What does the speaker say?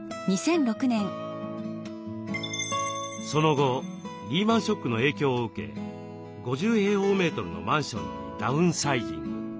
その後リーマンショックの影響を受け５０のマンションにダウンサイジング。